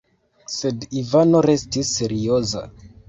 Sed Ivano restis serioza.